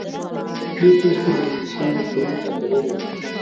دې پېښو د انګلیسیانو سلوک ته تغییر ورکړ.